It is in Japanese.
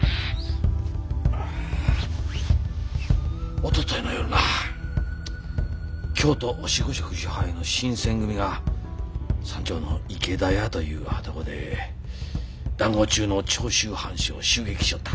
おとといの夜な京都守護職支配の新撰組が三条の池田屋という旅籠で談合中の長州藩士を襲撃しよった。